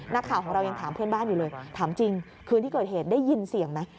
นักข่าวของเรายังถามเพื่อนบ้านอยู่เลยถามจริงคืนที่เกิดเหตุได้ยินเสียงไหม